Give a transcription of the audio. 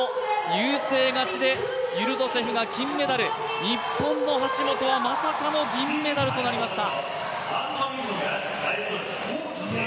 優勢勝ちでユルドシェフが金メダル、日本の橋本はまさかの銀メダルとなりました。